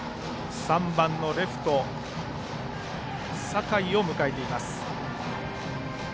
３番レフト、酒井を迎えます。